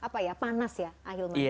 panas ya akhirnya